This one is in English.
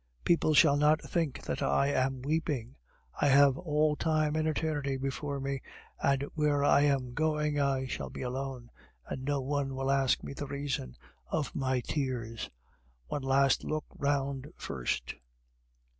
People shall not think that I am weeping. I have all time and eternity before me, and where I am going I shall be alone, and no one will ask me the reason of my tears. One last look round first."